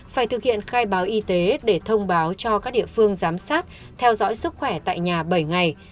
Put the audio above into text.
phải thực hiện khai báo y tế để thông báo cho các địa phương giám sát theo dõi sức khỏe tại nhà bảy ngày